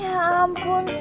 ya ampun susah